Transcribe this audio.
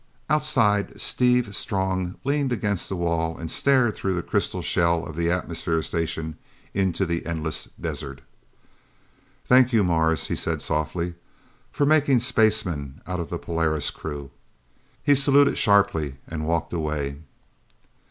Outside, Steve Strong leaned against the wall and stared through the crystal shell of the atmosphere station into the endless desert. "Thank you, Mars," he said softly, "for making spacemen out of the Polaris crew!" He saluted sharply and walked away.